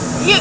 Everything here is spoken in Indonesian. lo eh ya